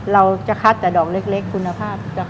เราจะคัดแต่ดอกเล็กคุณภาพ